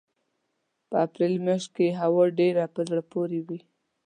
په اپرېل مياشت کې یې هوا ډېره په زړه پورې وي.